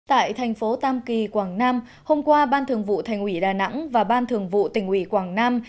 tại thành phố tam kỳ quảng nam hôm qua ban thường vụ thành ủy đà nẵng và ban thường vụ tỉnh ủy quảng nam